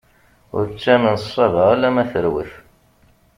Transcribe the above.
Ur ttamen ṣṣaba alamma terwet.